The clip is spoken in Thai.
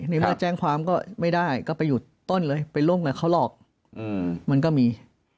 ในเมื่อแจ้งความก็ไม่ได้ก็ไปอยู่ต้นเลยไปร่วมกับเขาหรอกมันก็มี